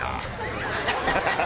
ハハハ！